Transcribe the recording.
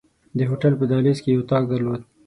د هوټل په دهلیز کې یې اتاق درلود.